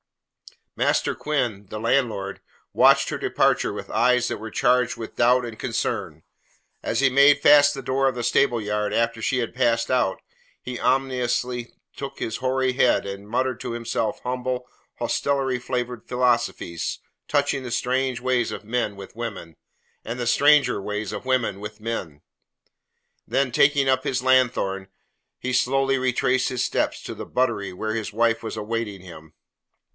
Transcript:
Master Quinn, the landlord, watched her departure with eyes that were charged with doubt and concern. As he made fast the door of the stableyard after she had passed out, he ominously shook his hoary head and muttered to himself humble, hostelry flavoured philosophies touching the strange ways of men with women, and the stranger ways of women with men. Then, taking up his lanthorn, he slowly retraced his steps to the buttery where his wife was awaiting him.